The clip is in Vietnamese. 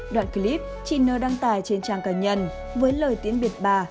đoạn clip chị nơ đăng tài trên trang cá nhân với lời tiễn biệt bà